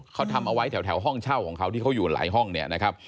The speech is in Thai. เขาทำเอาไว้แถวห้องเช่าของเขาที่เขาอยู่หลายห้องเนี่ยนะครับ